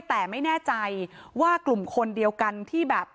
แต่ไม่แน่ใจว่ากลุ่มคนเดียวกันที่แบบ